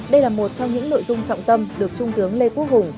đây là một trong những nội dung trọng tâm được trung tướng lê quốc hùng